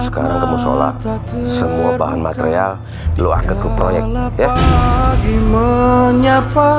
lu sekarang kamu sholat semua bahan material lu angkat ke proyek ya